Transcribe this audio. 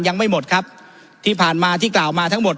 ยังไม่หมดครับที่ผ่านมาที่กล่าวมาทั้งหมด